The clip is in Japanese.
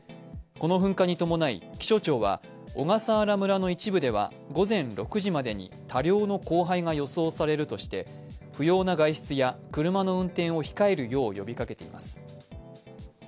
この噴火に伴い気象庁は、小笠原村の一部では午前６時までに多量の降灰が予想されるとして不要な外出や車の運転を控えるよう呼びかけています。